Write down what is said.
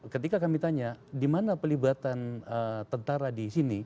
ketika kami tanya di mana pelibatan tentara di sini